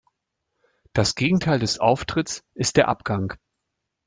Das Gegenteil des Auftritts ist der Abgang.